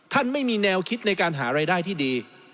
ไม่มีแนวคิดในการหารายได้ที่ดี